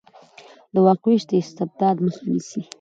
د واک وېش د استبداد مخه نیسي